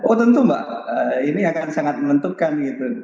oh tentu mbak ini akan sangat menentukan gitu